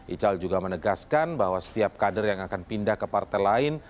ical juga menegaskan bahwa setiap kader yang akan pindah ke partai lain